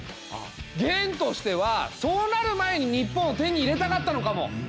元としてはそうなる前に日本を手に入れたかったのかも！